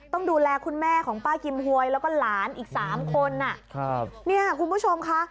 ต้องดูแลคุณแม่ของป้ากิมหวยแล้วก็หลานอีกสามคนอ่ะครับเนี่ยคุณผู้ชมค่ะ